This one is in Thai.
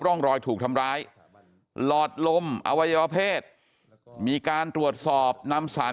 ร่องรอยถูกทำร้ายหลอดลมอวัยวเพศมีการตรวจสอบนำสาร